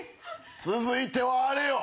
続いてはあれよ。